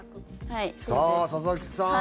さあ佐々木さん